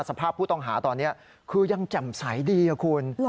สภาพผู้ต้องหาตอนนี้คือยังแจ่มใสดีคุณ